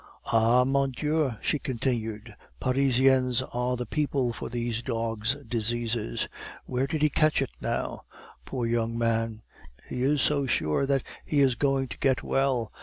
"Ah, mon Dieu!" she continued, "Parisians are the people for these dogs' diseases. Where did he catch it, now? Poor young man! And he is so sure that he is going to get well!